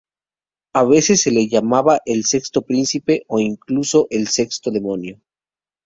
A veces se le llamaba el "Sexto Príncipe" o incluso el "sexto demonio".